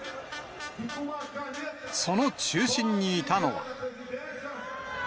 その中心にいたのは。